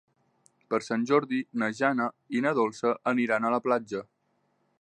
Per Sant Jordi na Jana i na Dolça aniran a la platja.